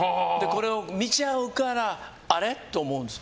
これを見ちゃうからあれ？って思うんです。